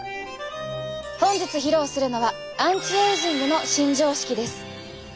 本日披露するのはアンチエイジングの新常識です。